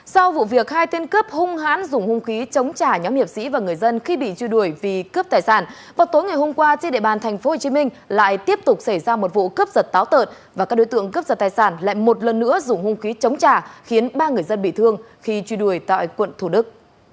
sau vụ việc hai tên cướp hung hãn dùng hung khí chống trả nhóm hiệp sĩ và người dân khi bị truy đuổi vì cướp tài sản vào tối ngày hôm qua trên địa bàn tp hcm lại tiếp tục xảy ra một vụ cướp giật táo tợn và các đối tượng cướp giật tài sản lại một lần nữa dùng hung khí chống trả khiến ba người dân bị thương khi truy đuổi tại quận thủ đức